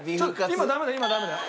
今ダメだよ。